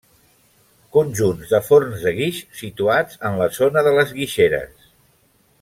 Conjunt de forns de guix situats en la zona de les Guixeres.